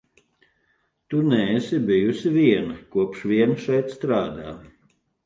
Tu neesi bijusi viena, kopš vien šeit strādā.